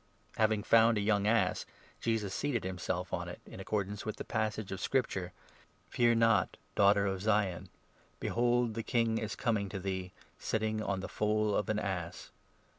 " Having found a young ass, Jesus seated himself on it, in 14 accordance with the passage of Scripture—1 ' Fear not, Daughter of Zion ; 15 Behold, thy King is coming to thee, Sitting on the foal of an ass.'